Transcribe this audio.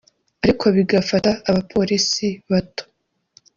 ariko bigafata abapolisi bato